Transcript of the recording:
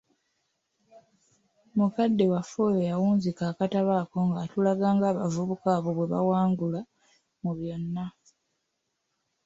Mukadde waffe oyo yawunzika akatabo ako ng'atulaga ng'abavubuka abo bwe baawangula mu byonna.